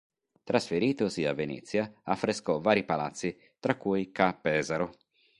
Trasferitosi a Venezia, affrescò vari palazzi, tra cui Ca' Pesaro.